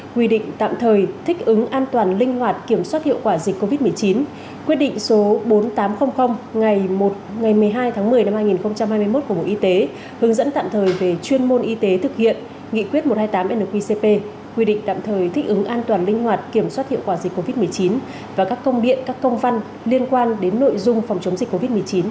quyết định số bốn nghìn tám trăm linh ngày một mươi hai tháng một mươi năm hai nghìn hai mươi một của bộ y tế hướng dẫn tạm thời về chuyên môn y tế thực hiện nghị quyết một trăm hai mươi tám nqcp quy định tạm thời thích ứng an toàn linh hoạt kiểm soát hiệu quả dịch covid một mươi chín và các công điện các công văn liên quan đến nội dung phòng chống dịch covid một mươi chín